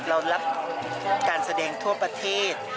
เรารับการแสดงทั่วประเทศ